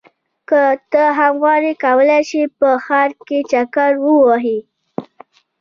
که ته هم غواړې کولی شې په ښار کې چکر ووهې.